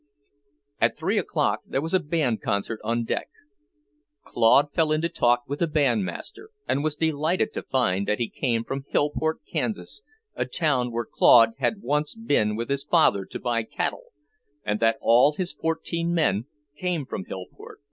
At three o'clock there was a band concert on deck. Claude fell into talk with the bandmaster, and was delighted to find that he came from Hillport, Kansas, a town where Claude had once been with his father to buy cattle, and that all his fourteen men came from Hillport.